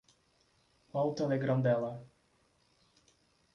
Qual o Telegram dela?